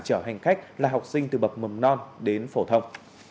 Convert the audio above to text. chở hành khách là học sinh từ bậc mầm non đến phổ thông